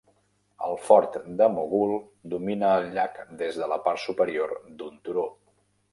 El fort de Moghul domina el llac des de la part superior d'un turó.